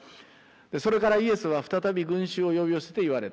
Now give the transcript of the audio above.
それからイエスは再び群衆を呼び寄せて言われた。